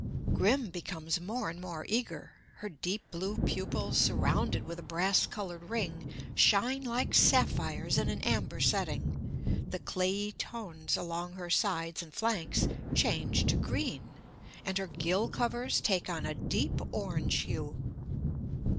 Grim becomes more and more eager. Her deep blue pupils, surrounded with a brass coloured ring, shine like sapphires in an amber setting; the clayey tones along her sides and flanks change to green, and her gill covers take on a deep orange hue.